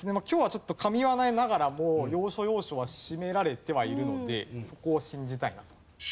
今日はちょっとかみ合わないながらも要所要所は締められてはいるのでそこを信じたいなと。